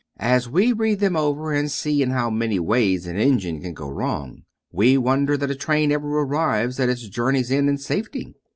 As we read them over, and see in how many ways an engine can go wrong, we wonder that a train ever arrives at its journey's end in safety.